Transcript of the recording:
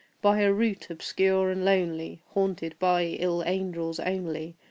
By a route obscure and lonely, Haunted by ill angels only.